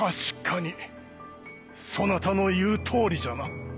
そなたの言うとおりじゃな。